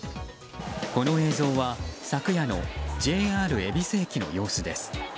この映像は昨夜のＪＲ恵比寿駅の様子です。